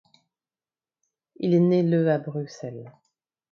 Il est né le à Bruxelles.